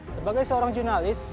sebagai seorang jurnalis